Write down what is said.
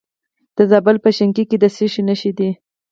د زابل په شینکۍ کې د څه شي نښې دي؟